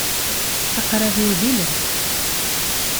Aqrab-iw d ilem.